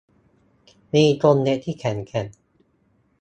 มีกรงเล็บที่แข็งแรง